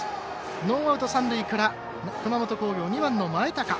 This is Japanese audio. ノーアウト、三塁から熊本工業２番の前高。